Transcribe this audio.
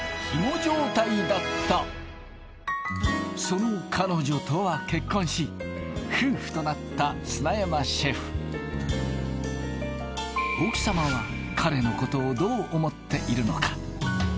その彼女とは結婚し夫婦となった砂山シェフ奥様は彼のことをどう思っているのか？